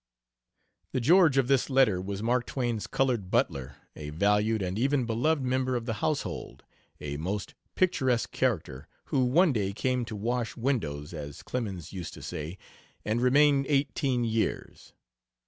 The "George" of this letter was Mark Twain's colored butler, a valued and even beloved member of the household a most picturesque character, who "one day came to wash windows," as Clemens used to say, "and remained eighteen years."